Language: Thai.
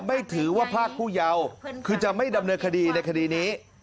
ไม่ถือว่าพรากผู้เยาว์คือจะไม่ดำเนินคดีในคดีนี้